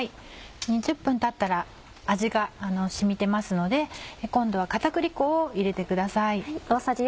２０分たったら味が染みてますので今度は片栗粉を入れてください。